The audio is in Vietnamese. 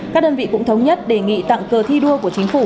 các đơn vị cũng thống nhất đề nghị tặng cờ thi đua của chính phủ